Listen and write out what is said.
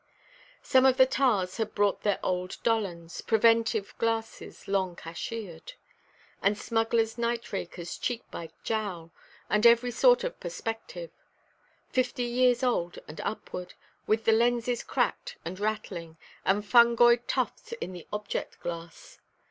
Some of the tars had brought their old Dollonds, preventive glasses long cashiered, and smugglersʼ night–rakers cheek by jowl, and every sort of "perspective," fifty years old and upward, with the lenses cracked and rattling, and fungoid tufts in the object–glass.